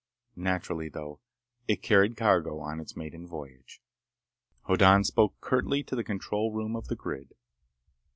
Naturally, though, it carried cargo on its maiden voyage. Hoddan spoke curtly to the control room of the grid.